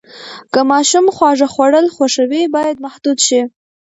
که ماشوم خواږه خوړل خوښوي، باید محدود شي.